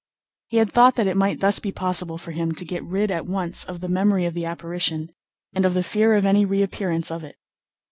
He had thought that it might thus be possible for him to get rid at once of the memory of the apparition, and of the fear of any reappearance of it.